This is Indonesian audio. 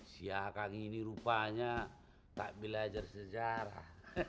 si akang ini rupanya tak belajar sejarah